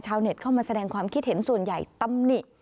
เน็ตเข้ามาแสดงความคิดเห็นส่วนใหญ่ตำหนิ